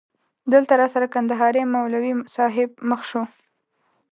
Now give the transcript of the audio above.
دلته راسره کندهاری مولوی صاحب مخ شو.